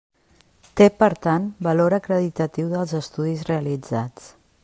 Té, per tant, valor acreditatiu dels estudis realitzats.